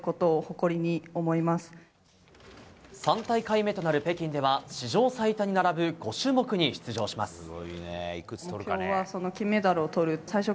３大会目となる北京では史上最多に並ぶ５種目に出場します。